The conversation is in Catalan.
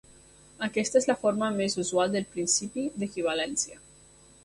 Aquesta és la forma més usual del principi d'equivalència.